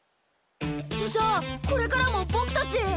じゃあこれからもボクたち。